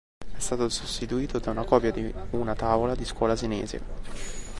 È stato sostituito da una copia di una tavola di scuola senese.